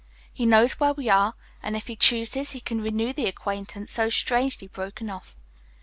He knows where we are, and if he chooses he can renew the acquaintance so strangely broken off.